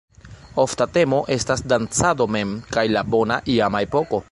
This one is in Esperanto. Ofta temo estas dancado mem, kaj la "bona iama epoko".